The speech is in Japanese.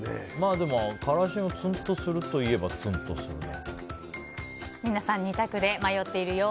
でもからしもツンとするといえばツンとするね。